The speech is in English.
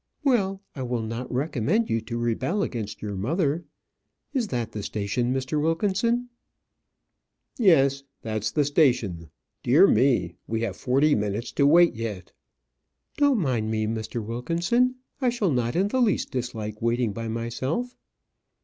"Well, I will not recommend you to rebel against your mother. Is that the station, Mr. Wilkinson?" "Yes that's the station. Dear me, we have forty minutes to wait yet!" "Don't mind me, Mr. Wilkinson. I shall not in the least dislike waiting by myself."